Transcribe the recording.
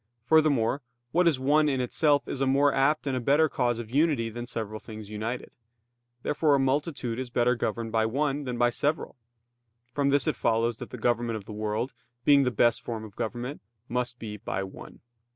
Furthermore, what is one in itself is a more apt and a better cause of unity than several things united. Therefore a multitude is better governed by one than by several. From this it follows that the government of the world, being the best form of government, must be by one.